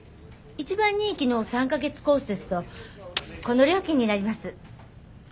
一番人気の３か月コースですとこの料金になります。